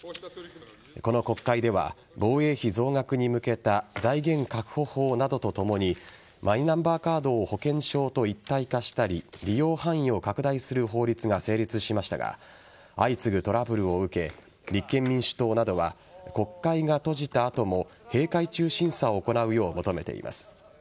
この国会では防衛費増額に向けた財源確保法などとともにマイナンバーカードを保険証と一体化したり利用範囲を拡大する法律が成立しましたが相次ぐトラブルを受け立憲民主党などは国会が閉じた後も閉会中審査を行うよう求めています。